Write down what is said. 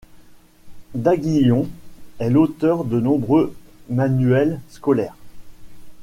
Daguillon est l’auteur de nombreux manuels scolaires.